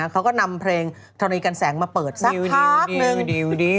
เขาก็นำเพลงธรณีกันแสงมาเปิดสักพักนึง